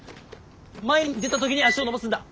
前に出た時に足を伸ばすんだ。